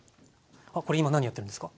これ今何やってるんですか？